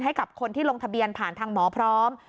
ให้กับคนที่ลงทะเบียนผ่านทางหมอพร้อม